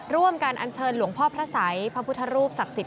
การอัญเชิญหลวงพ่อพระสัยพระพุทธรูปศักดิ์สิทธิ